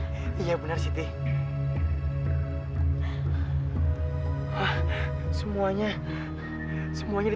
sampai jumpa di video selanjutnya